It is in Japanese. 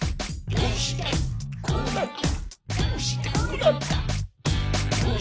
どうしてこうなった？」